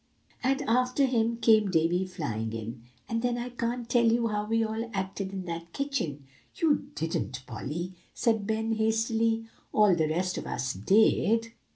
"And after him came Davie flying in, and then I can't tell you how we all acted in that kitchen." "You didn't, Polly," said Ben hastily; "all the rest of us did."